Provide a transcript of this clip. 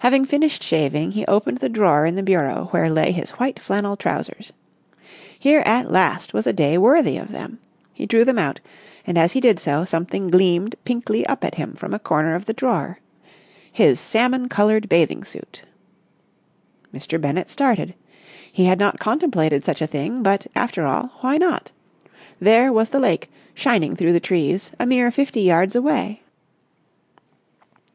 Having finished shaving, he opened the drawer in the bureau where lay his white flannel trousers. Here at last was a day worthy of them. He drew them out, and as he did so, something gleamed pinkly up at him from a corner of the drawer. His salmon coloured bathing suit. Mr. Bennett started. He had not contemplated such a thing, but, after all, why not? There was the lake, shining through the trees, a mere fifty yards away.